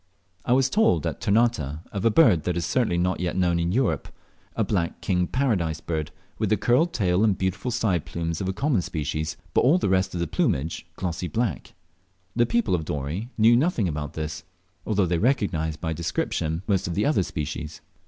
I was told at Ternate of a bird that is certainly not yet known in Europe, a black King Paradise Bird, with the curled tail and beautiful side plumes of the common species, but all the rest of the plumage glossy black. The people of Dorey knew nothing about this, although they recognised by description most of the otter species.